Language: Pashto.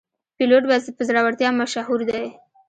پیلوټ په زړورتیا مشهور دی.